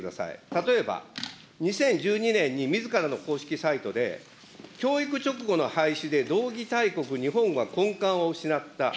例えば、２０１２年にみずからの公式サイトで、教育勅語の廃止で道義大国、日本は根幹を失った。